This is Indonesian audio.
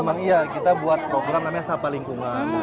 memang iya kita buat program namanya sapa lingkungan